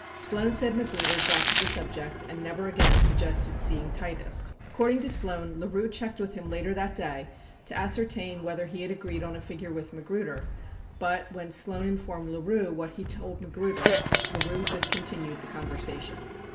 Sloan said Magruder dropped the subject and never again suggested seeing Titus. According to Sloan, LaRue checked with him later that day to ascertain whether he had agreed on a figure with Magruder, but, when Sloan informed LaRue what he told Magruder, LaRue discontinued the conversation.